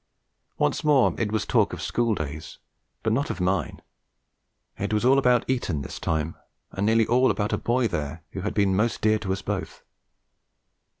Once more it was talk of schooldays, but not of mine; it was all about Eton this time, and nearly all about a boy there who had been most dear to us both.